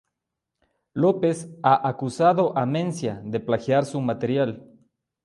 Lopez ha acusado a Mencia de plagiar su material.